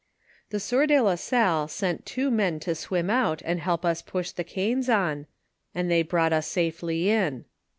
308 de la Salle sent two men to swim out and help ns push the canes on, and they brought us safely in.